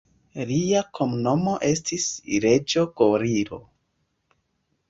Lia kromnomo estis 'Reĝo Gorilo'.